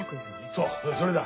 そうそれだ。